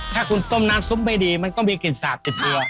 ถ้าคุณต้มน้ำซุปไม่ดีมันก็มีกลิ่นสาบติดตัว